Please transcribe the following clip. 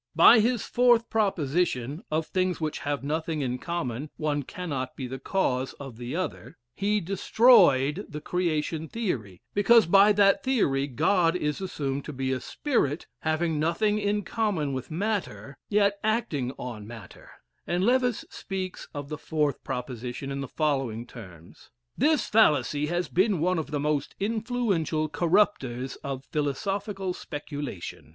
By his fourth proposition ("of things which have nothing in common, one cannot be the cause of the other, ") he destroyed the creation theory, because by that theory God is assumed to be a spirit having nothing in common with matter, yet acting on matter; and Lewes speaks of the fourth proposition in the following terms: "This fallacy has been one of the most influential corrupters of philosophical speculation.